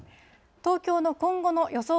東京の今後の予想